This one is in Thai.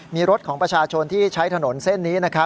มีรถของประชาชนที่ใช้ถนนเส้นนี้นะครับ